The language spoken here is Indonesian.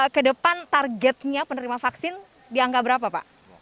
ke depan targetnya penerima vaksin dianggap berapa pak